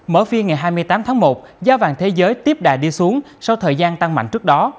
mở phiên ngày hai mươi tám tháng một giá vàng thế giới tiếp đà đi xuống sau thời gian tăng mạnh trước đó